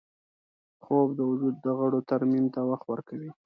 خوب د وجود د غړو ترمیم ته وخت ورکوي